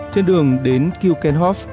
trên đường đến kukenhof